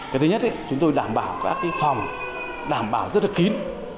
cái thứ nhất chúng tôi đảm bảo các phòng đảm bảo rất là kín